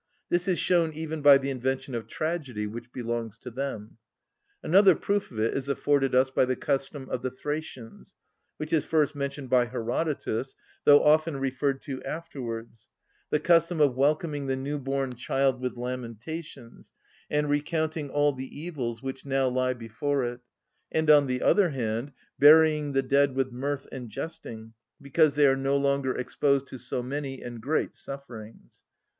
This is shown even by the invention of tragedy, which belongs to them. Another proof of it is afforded us by the custom of the Thracians, which is first mentioned by Herodotus, though often referred to afterwards—the custom of welcoming the new‐born child with lamentations, and recounting all the evils which now lie before it; and, on the other hand, burying the dead with mirth and jesting, because they are no longer exposed to so many and great sufferings.